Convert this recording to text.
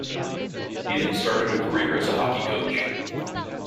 He then started a career as a hockey coach.